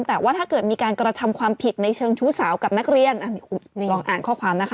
แต่ว่าถ้าเกิดมีการกระทำความผิดในเชิงชู้สาวกับนักเรียนอันนี้ลองอ่านข้อความนะคะ